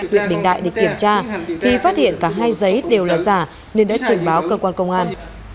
huyện bình đại để kiểm tra thì phát hiện cả hai giấy đều là giả nên đã trình báo cơ quan công an